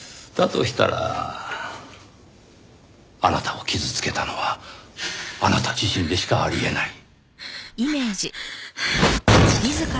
だとしたらあなたを傷つけたのはあなた自身でしかあり得ない。